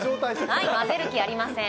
はい混ぜる気ありません